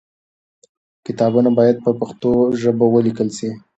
کتابونه باید په پښتو ژبه ولیکل سي.